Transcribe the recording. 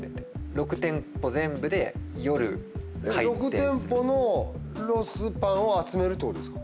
６店舗のロスパンを集めるってことですか？